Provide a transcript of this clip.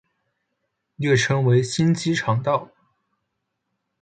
略称为新机场道。